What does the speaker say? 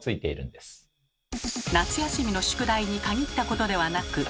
夏休みの宿題に限ったことではなく。